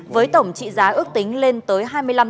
với tổng trị giá ước tính lên tới